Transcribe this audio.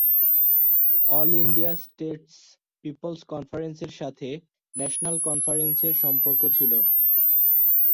All India states peoples কনফারেন্সের সাথে national কনফারেন্সের সম্পর্ক ছিল।